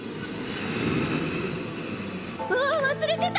あっ忘れてた！